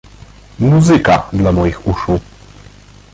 Muzyka dla moich uszu.